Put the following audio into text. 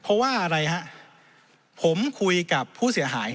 เพราะว่าอะไรฮะผมคุยกับผู้เสียหาย